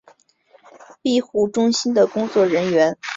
庇护中心的工作人员曾向雇主表示过安全方面的担忧。